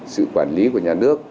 sự quản lý của nhà nước